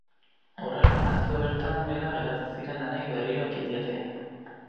Horrela, atzo bertan behera geratu ziren lanei berriro ekin diete.